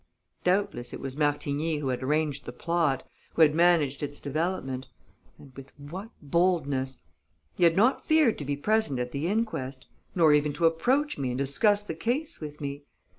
Doubtless it was Martigny who had arranged the plot, who had managed its development. And with what boldness! He had not feared to be present at the inquest; nor even to approach me and discuss the case with me.